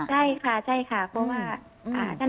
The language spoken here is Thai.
ใช่ค่ะใช่ค่ะเพราะว่า